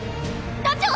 団長！